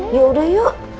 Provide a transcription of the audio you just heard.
ya udah yuk